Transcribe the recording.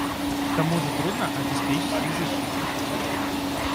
К тому же трудно обеспечить их защиту.